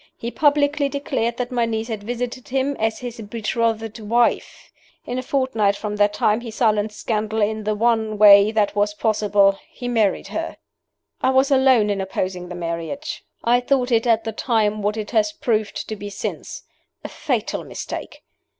He publicly declared that my niece had visited him as his betrothed wife. In a fortnight from that time he silenced scandal in the one way that was possible he married her. "I was alone in opposing the marriage. I thought it at the time what it has proved to be since a fatal mistake.